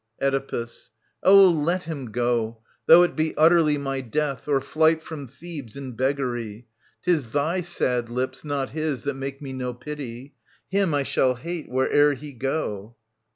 Oedipus. Oh, let him go, though it be utterly My death, or flight from Thebes in beggary. 'Tis thy sad lips, not his, that make me know Pity. Him I shall hate, where'er he go.